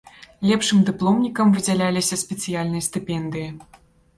Лепшым дыпломнікам выдзяляліся спецыяльныя стыпендыі.